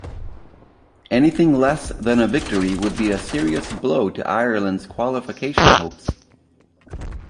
Anything less than a victory would be a serious blow to Ireland's qualification hopes.